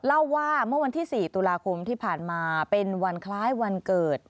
เล่าว่าเมื่อวันที่๔ตุลาคมที่ผ่านมาเป็นวันคล้ายวันเกิด